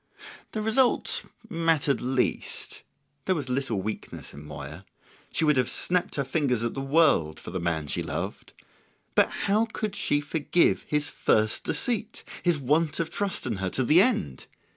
The result mattered least; there was little weakness in Moya; she would have snapped her fingers at the world for the man she loved. But how could she forgive his first deceit, his want of trust in her to the end?